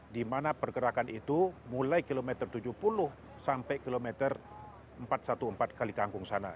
di mana pergerakan itu mulai kilometer tujuh puluh sampai kilometer empat ratus empat belas kali kangkung sana